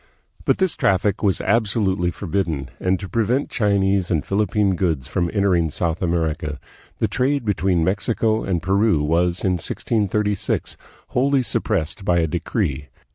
But this traffic was absolutely forbidden, and to prevent Chinese and Philippine goods from enter ing South America, the trade between Mexico and Peru was in 1636 wholly suppressed by a decree.